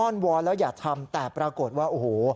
้อนวอนแล้วอย่าทำแต่ปรากฏว่าโอ้โห